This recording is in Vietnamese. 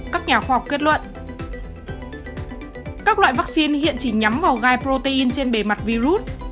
các nhà khoa học kết luận các loại vaccine hiện chỉ nhắm vào gai protein trên bề mặt virus